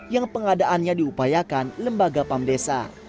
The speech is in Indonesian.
yang pengadaannya diupayakan lembaga pamdesa